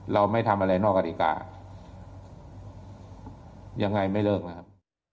เราไม่ทำอะไรนอกกฎิกายังไงไม่เลิกนะครับ